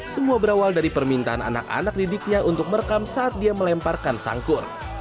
semua berawal dari permintaan anak anak didiknya untuk merekam saat dia melemparkan sangkur